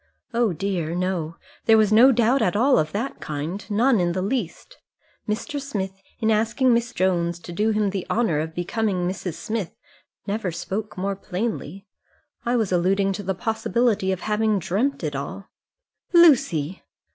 "Oh dear, no. There was no doubt at all of that kind; none in the least. Mr. Smith in asking Miss Jones to do him the honour of becoming Mrs. Smith never spoke more plainly. I was alluding to the possibility of having dreamt it all." "Lucy!"